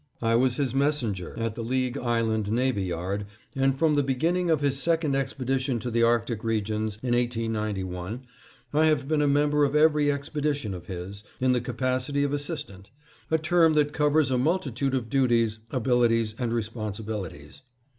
I was his messenger at the League Island Navy Yard, and from the beginning of his second expedition to the Arctic regions, in 1891, I have been a member of every expedition of his, in the capacity of assistant: a term that covers a multitude of duties, abilities, and responsibilities.